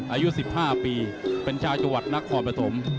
อายุ๑๕ปีเป็นชาวจังหวัดนครปฐม